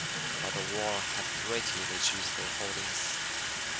But the war had greatly reduced their holdings.